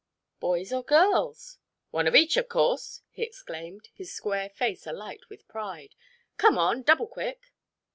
"Boys or girls?" "One of each, of course," he exclaimed, his square face alight with pride. "Come on, double quick."